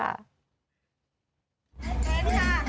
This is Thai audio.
ได้แล้วค่ะ